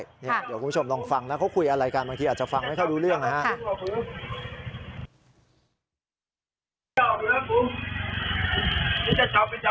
เดี๋ยวคุณผู้ชมลองฟังนะเขาคุยอะไรกันบางทีอาจจะฟังไม่ค่อยรู้เรื่องนะครับ